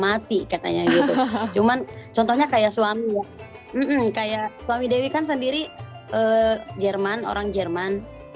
mati katanya gitu cuman contohnya kayak suami ya kayak suami dewi kan sendiri jerman orang jerman